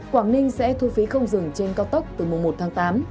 quảng ninh sẽ thu phí không dừng trên cao tốc từ mùng một tháng tám